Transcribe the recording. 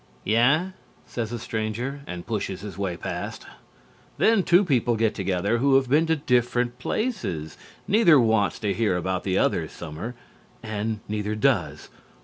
"Yeah?" says the stranger, and pushes his way past. Then two people get together who have been to different places. Neither wants to hear about the other's summer and neither does.